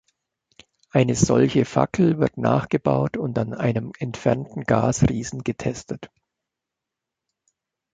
Eine solche Fackel wird nachgebaut und an einem entfernten Gasriesen getestet.